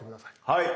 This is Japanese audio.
はい。